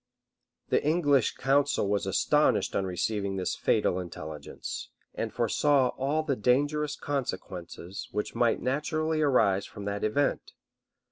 The English council was astonished on receiving this fatal intelligence, and foresaw all the dangerous consequences which might naturally arise from that event.